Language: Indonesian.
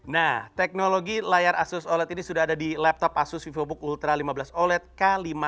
nah teknologi layar asus oled ini sudah ada di laptop asus vivobook ultra lima belas oled k lima ratus